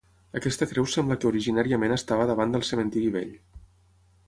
Aquesta creu sembla que originàriament estava davant del cementiri vell.